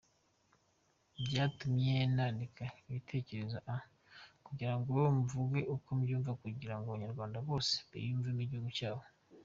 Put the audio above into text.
Byatumye nandika igitekerezoÂ kugirango mvuge uko mbyumva kugirango abanyarwanda bose biyumvemo igihugu cyabo.